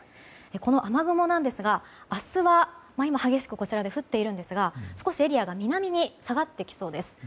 この雨雲なんですが今、激しくこちらで降っているんですが明日は少し、エリアが南に下がってきそうです。